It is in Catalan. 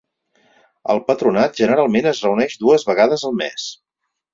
El patronat generalment es reuneix dues vegades al mes.